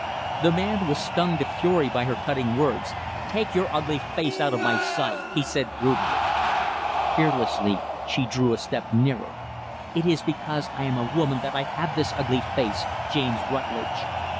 The man was stung to fury by her cutting words. "Take your ugly face out of my sight," he said brutally. Fearlessly, she drew a step nearer. "It is because I am a woman that I have this ugly face, James Rutlidge."